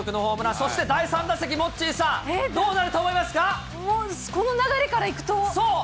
そして第３打席、モッチーさん、どうなもう、この流れからいくと。